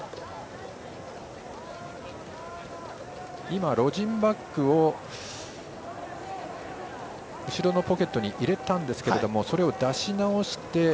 今、ロジンバックを後ろのポケットに入れたんですがそれを出し直して。